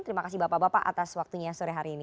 terima kasih bapak bapak atas waktunya sore hari ini